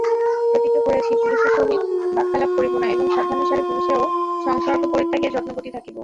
প্রতিজ্ঞা করিয়াছি পুরুষের সহিত বাক্যালাপ করিব না এবং সাধ্যানুসারে পুরুষেয় সংসর্গপরিত্যাগে যত্নবতী থাকিব।